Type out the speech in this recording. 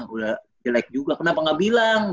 udah jelek juga kenapa nggak bilang